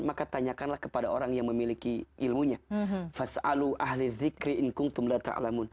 maka tanyakanlah kepada orang yang memiliki ilmunya